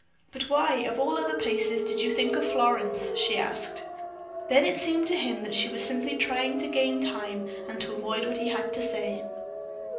"But why, of all other places, did you think of Florence?" she asked. Then it seemed to him that she was simply trying to gain time, and to avoid what he had to say.